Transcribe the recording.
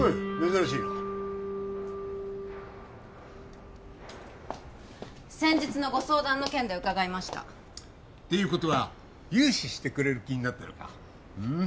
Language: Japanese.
珍しいな先日のご相談の件で伺いましたっていうことは融資してくれる気になったのかうん？